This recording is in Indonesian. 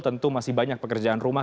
tentu masih banyak pekerjaan rumah